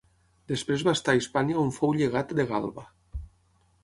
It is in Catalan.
Després va estar a Hispània on fou llegat de Galba.